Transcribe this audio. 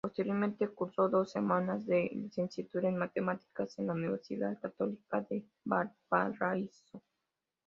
Posteriormente cursó dos semestres de licenciatura en matemática en la Universidad Católica de Valparaíso.